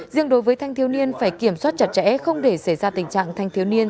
riêng đối với thanh thiếu niên phải kiểm soát chặt chẽ không để xảy ra tình trạng thanh thiếu niên